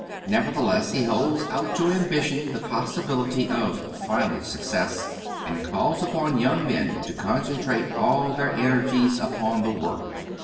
Nevertheless, he holds out to ambition the possibility of final success, and calls upon young men to concentrate all their energies upon the work.